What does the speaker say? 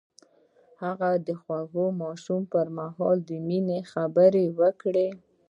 هغه د خوږ ماښام پر مهال د مینې خبرې وکړې.